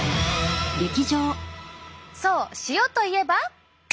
そう塩といえば。